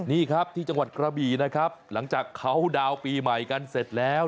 นี่ครับที่จังหวัดกระบี่นะครับหลังจากเขาดาวน์ปีใหม่กันเสร็จแล้ว